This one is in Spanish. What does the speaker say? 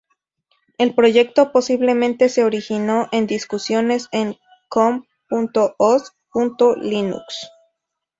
El proyecto posiblemente se originó en discusiones en "comp.os.linux".